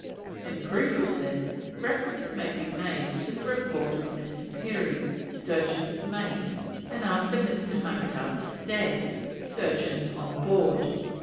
In proof of this reference may be made to the report of Mr. Perry, surgeon's mate, and, after Mr. Monkhouse's death, surgeon on board.